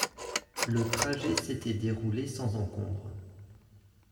Le trajet s’était déroulé sans encombre.